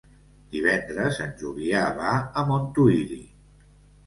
Divendres en Julià va a Montuïri.